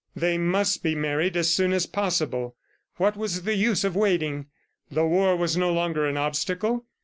They must be married as soon as possible. What was the use of waiting? ... The war was no longer an obstacle.